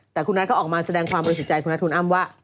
แต่คุณนัทเขาออกมาแสดงความบริสุทธิ์ใจคุณนัทคุณอ้ำว่า